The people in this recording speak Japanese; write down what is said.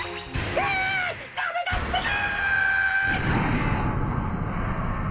わダメだってか！